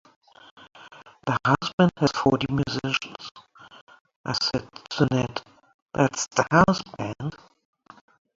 The house band had forty musicians...I said to Nat, 'that's the house band?